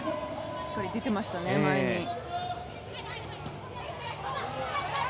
しっかり出ていましたね、前に。